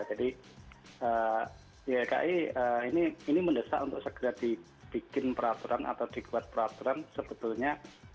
jadi ylki ini mendesak untuk segera dibikin peraturan atau dikuat peraturan sebetulnya